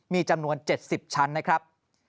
มีจำนวน๗๐ชั้นนะครับ